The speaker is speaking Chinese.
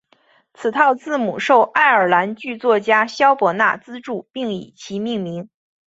此套字母受爱尔兰剧作家萧伯纳资助并以其命名。